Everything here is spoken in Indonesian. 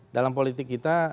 dalam politik kita